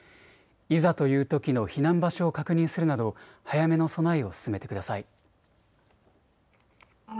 いざというときの避難場所を確認するなど、早めの備えを進めてください。